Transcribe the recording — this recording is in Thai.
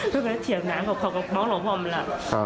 ก็ไปเทียบน้ำเขาก็มองแล้วว่ามันแหละ